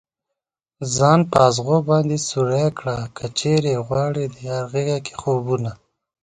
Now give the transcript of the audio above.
ځان په ازغو باندې سوری كړه كه چېرې غواړې ديار غېږه كې خوبونه